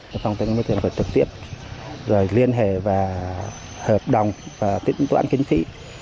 phương tiện này phải trực tiếp liên hệ và hợp đồng và tính toán kiến trí